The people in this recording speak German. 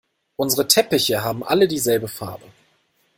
Unsere Teppiche haben alle dieselbe Farbe.